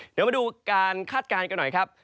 เดี๋ยวมาดูการคาดการณ์กันหน่อยครับ